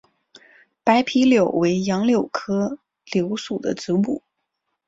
白皮柳为杨柳科柳属的植物。